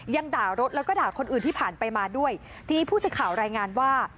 ด่ารถแล้วก็ด่าคนอื่นที่ผ่านไปมาด้วยทีนี้ผู้สื่อข่าวรายงานว่า